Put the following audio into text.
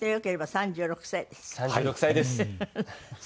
３６歳です。